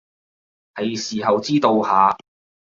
喺時候知道下